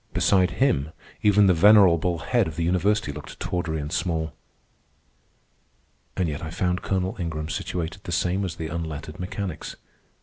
Beside him even the venerable head of the university looked tawdry and small. And yet I found Colonel Ingram situated the same as the unlettered mechanics.